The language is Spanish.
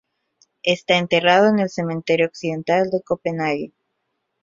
Está enterrado en el Cementerio Occidental de Copenhague.